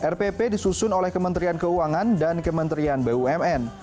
rpp disusun oleh kementerian keuangan dan kementerian bumn